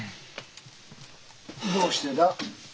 どうしてだ？